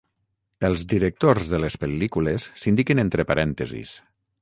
Els directors de les pel·lícules s'indiquen entre parèntesis.